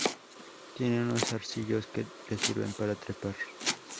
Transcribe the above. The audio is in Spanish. Tiene unos zarcillos que le sirven para trepar.